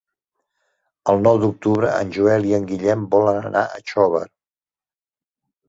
El nou d'octubre en Joel i en Guillem volen anar a Xóvar.